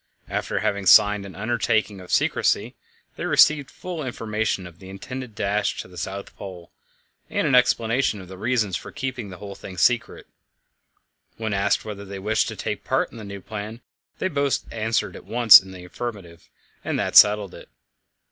After having signed an undertaking of secrecy, they received full information of the intended dash to the South Pole, and an explanation of the reasons for keeping the whole thing secret. When asked whether they wished to take part in the new plan, they both answered at once in the affirmative, and that settled it.